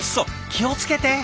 気を付けて。